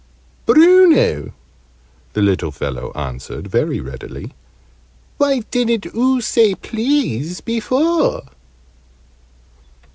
"Bruno," the little fellow answered, very readily. "Why didn't oo say 'please' before?"